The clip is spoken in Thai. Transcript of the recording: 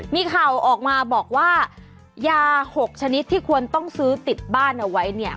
มีข่าวออกมาบอกว่ายา๖ชนิดที่ควรต้องซื้อติดบ้านเอาไว้เนี่ย